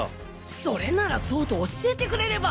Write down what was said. それならそうと教えてくれれば。